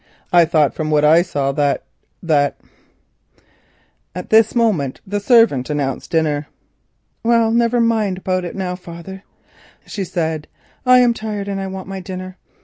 I thought from what I saw, that—that——" At this moment the servant announced dinner. "Well, never mind about it now, father," she said; "I am tired and want my dinner. Mr.